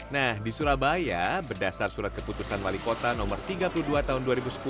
nah di surabaya berdasar surat keputusan wali kota no tiga puluh dua tahun dua ribu sepuluh